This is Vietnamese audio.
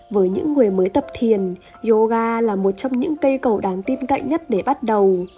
với những người mới tập thiền yoga là một trong những cây cầu đáng tin cậy nhất để bắt đầu